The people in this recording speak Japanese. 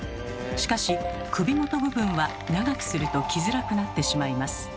しかし首元部分は長くすると着づらくなってしまいます。